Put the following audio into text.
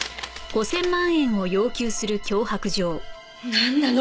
なんなの？